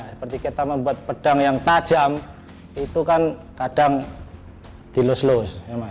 seperti kita membuat pedang yang tajam itu kan kadang dilus lus